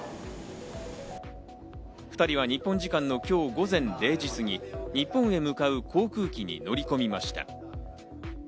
２人は日本時間の今日午前０時すぎ、日本へ向かう航空機に乗り込みました。